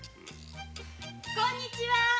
・こんにちは！